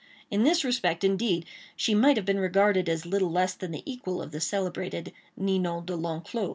In this respect, indeed, she might have been regarded as little less than the equal of the celebrated Ninon De L'Enclos.